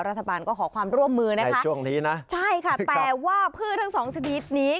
รัฐบาลก็ขอความร่วมมือนะคะแต่ว่าฟื้นทั้ง๒ชนิดนี้